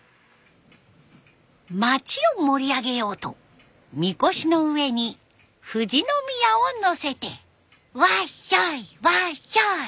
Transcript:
町を盛り上げようと神輿の上に富士宮をのせてワッショイワッショイ。